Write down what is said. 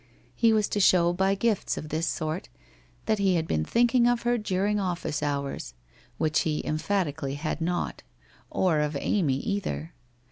He was to show by gifts of this sort ' that he had been thinking of her during office hours/ which he emphatically had not, or of Amy either.